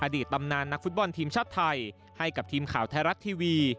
ตำนานนักฟุตบอลทีมชาติไทยให้กับทีมข่าวไทยรัฐทีวี